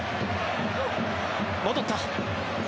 戻った。